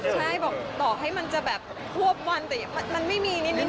อ๋อใช่ต่อให้มันจะแบบพวบวันแต่ยังไม่มีนิดในหน่อย